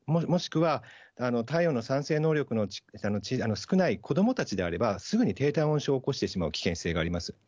もしくは、体温の再生能力の少ない子どもたちであれば、すぐに低体温症を起こしてしまう危険性があります。